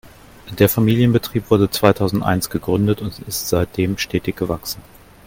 Der Familienbetrieb wurde zweitausendeins gegründet und ist seitdem stetig gewachsen.